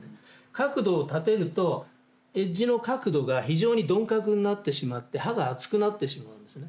角度を立てるとエッジの角度が非常に鈍角になってしまって刃が厚くなってしまうんですね。